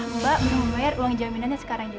mbak belum membayar uang jaminannya sekarang juga